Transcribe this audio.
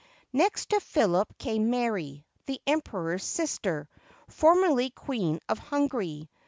Next to Philip came Mary, the Emperor's sister, for merly Queen of Hungary.